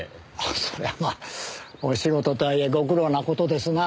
そりゃまあお仕事とはいえご苦労な事ですな。